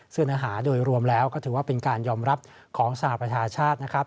ซึ่งเนื้อหาโดยรวมแล้วก็ถือว่าเป็นการยอมรับของสหประชาชาตินะครับ